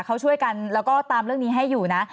เขาช่วยกันแล้วก็ตามเรื่องนี้ให้อยู่นะ